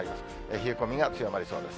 冷え込みが強まりそうです。